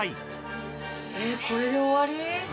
えっこれで終わり？